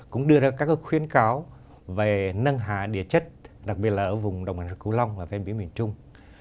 cũng đưa ra các khuyến cáo về nâng hạ địa chất đặc biệt là ở vùng đồng hành hà cửu long và bên biển miền trung